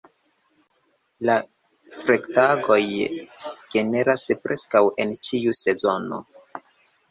La fregatoj generas preskaŭ en ĉiu sezono.